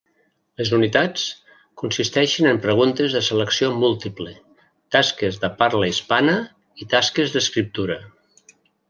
Les unitats consisteixen en preguntes de selecció múltiple, tasques de parla hispana, i tasques d’escriptura.